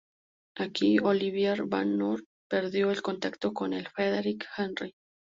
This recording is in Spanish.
Aquí Olivier van Noort perdió el contacto con el "Frederick Henry".